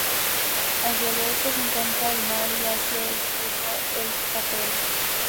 Hacia el oeste se encuentra el mar y hacia el este el río Rapel.